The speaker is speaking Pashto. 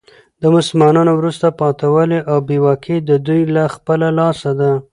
د مسلمانانو وروسته پاته والي او بي واکي د دوې له خپله لاسه ده.